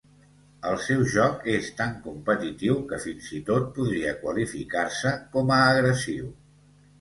El seu joc és tan competitiu que fins i tot podria qualificar-se com a agressiu.